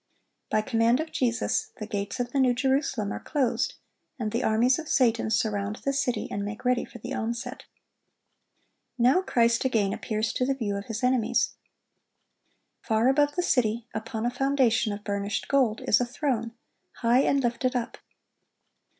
By command of Jesus, the gates of the New Jerusalem are closed, and the armies of Satan surround the city, and make ready for the onset. Now Christ again appears to the view of His enemies. Far above the city, upon a foundation of burnished gold, is a throne, high and lifted up.